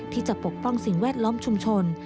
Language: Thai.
ปกป้องสิ่งแวดล้อมชุมชน